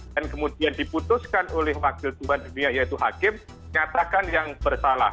dan kemudian diputuskan oleh wakil tumat dunia yaitu hakim menyatakan yang bersalah